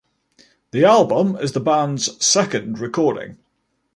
The album is the band's second recording.